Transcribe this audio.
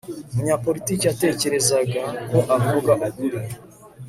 umunyapolitike yatekerezaga ko avuga ukuri